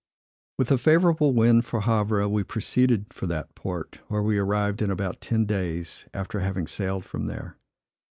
With a favorable wind for Havre, we proceeded for that port, where we arrived in about ten days after having sailed from there.